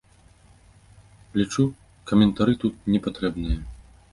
Лічу, каментары тут не патрэбныя.